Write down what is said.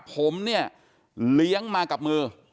ผมเนี่ยเลี้ยงมากับมือ